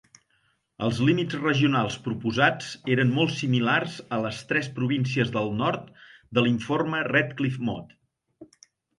Els límits regionals proposats eren molt similars a les tres províncies del nord de l'informe Redcliffe-Maud.